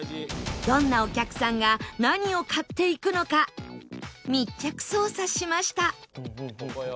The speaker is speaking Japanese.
どんなお客さんが何を買っていくのか密着捜査しました